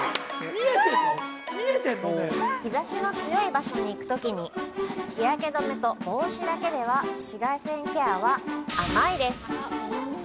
◆日差しの強い場所に行くときに日焼け止めと帽子だけでは紫外線ケアは、甘いです。